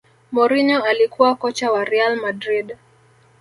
mourinho alikuwa kocha wa real madrid